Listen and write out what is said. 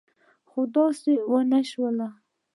خو داسې ونه شول.